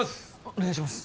お願いします